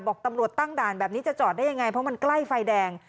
บอกตำรวจตั้งด่านแบบนี้จะจอดได้ยังไงเพราะมันใกล้ไฟแดง